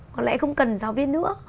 có lẽ không cần giáo viên nữa